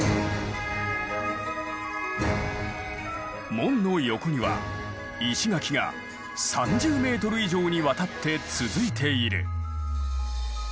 門の横には石垣が３０ｍ以上にわたって続いている。